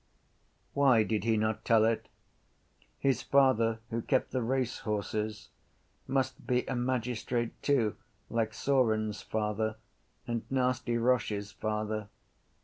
Why did he not tell it? His father, who kept the racehorses, must be a magistrate too like Saurin’s father and Nasty Roche’s father.